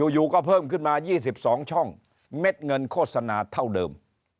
อยู่ก็เพิ่มขึ้นมา๒๒ช่องเม็ดเงินโฆษณาเท่าเดิม